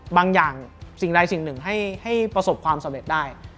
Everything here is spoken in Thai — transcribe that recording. บางอย่างสิ่งใดสิ่งหนึ่งให้ประสบความสำเร็จได้